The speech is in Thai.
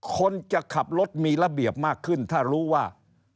คนจะขับรถมีระเบียบมากขึ้นถ้ารู้ว่า